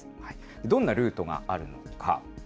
どんなルートがあるのか。